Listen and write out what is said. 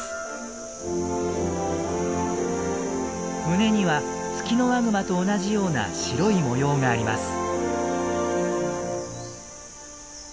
胸にはツキノワグマと同じような白い模様があります。